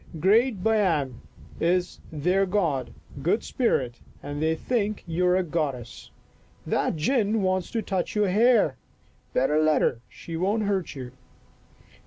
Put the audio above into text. " Great Baiame is their god, good spirit, and they think you are a goddess. That gin wants to touch your hair. Better let her, she won't hurt you."